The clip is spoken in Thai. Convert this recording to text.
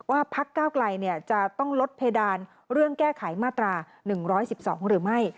พักก้าวไกลจะต้องลดเพดานเรื่องแก้ไขมาตรา๑๑๒หรือไม่